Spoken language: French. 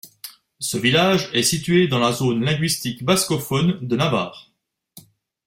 Ce village est situé dans la zone linguistique bascophone de Navarre.